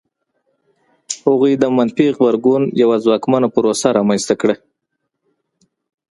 هغوی د منفي غبرګون یوه ځواکمنه پروسه رامنځته کړه.